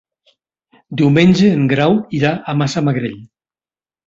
Diumenge en Grau irà a Massamagrell.